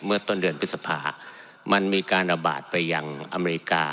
ต้นเดือนพฤษภามันมีการระบาดไปยังอเมริกา